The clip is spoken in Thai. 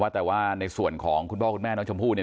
แต่ว่าในส่วนของคุณพ่อคุณแม่น้องชมพู่เนี่ย